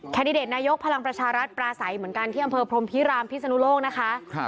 ดิเดตนายกพลังประชารัฐปราศัยเหมือนกันที่อำเภอพรมพิรามพิศนุโลกนะคะ